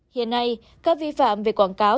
hiện nay các vi phạm về quảng cáo